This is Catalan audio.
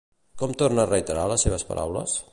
Com torna a reiterar les seves paraules?